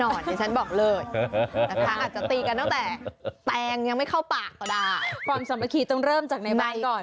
นี่ฉันบอกเลยนะคะอาจจะตีกันตั้งแต่แตงยังไม่เข้าปากก็ได้ความสามัคคีต้องเริ่มจากในบ้านก่อน